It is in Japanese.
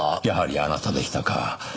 やはりあなたでしたか。